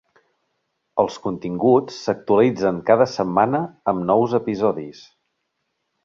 Els continguts s'actualitzen cada setmana amb nous episodis.